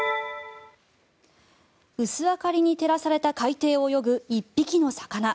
薄明かりに照らされた海底を泳ぐ１匹の魚。